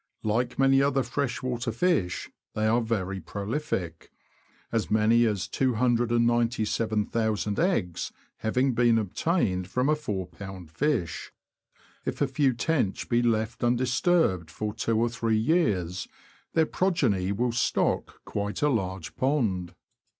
Like many other freshwater fish, they are very prolific, as THE FISH OF THE BROADS. 297 many as 297,000 eggs having been obtained from a 41b. fish. If a few tench be left undisturbed for two or three years, their progeny will stock quite a large pond.